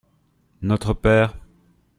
Notre père.